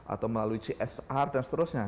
atau melalui csr dan seterusnya